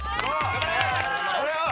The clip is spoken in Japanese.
頑張れよ！